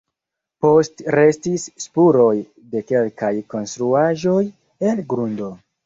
Postrestis spuroj de kelkaj konstruaĵoj el grundo.